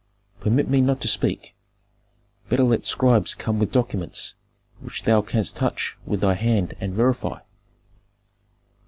Permit me not to speak. Better let scribes come with documents, which thou canst touch with thy hand and verify."